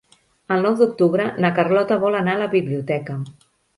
El nou d'octubre na Carlota vol anar a la biblioteca.